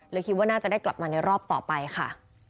คิดว่าน่าจะได้กลับมาในรอบต่อไปค่ะ